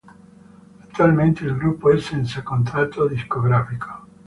Attualmente il gruppo è senza contratto discografico.